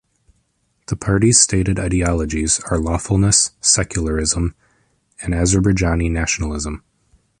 The party's stated ideologies are lawfulness, secularism, and Azerbaijani nationalism.